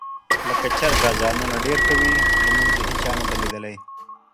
لکه چرګ اذانونه ډېر کوي لمونځ یې هېچا نه دي لیدلي.